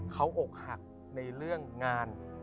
เขาอกหักในเรื่องงาน